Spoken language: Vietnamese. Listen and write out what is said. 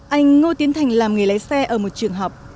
anh ngô tiến thành làm nghề lái xe ở một trường học